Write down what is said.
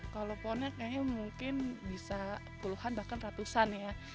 kalau pohonnya kayaknya mungkin bisa puluhan bahkan ratusan ya